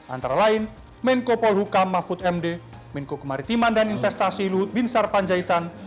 antara lain menko polhukam mahfud md menko kemaritiman dan investasi luhut bin sarpanjaitan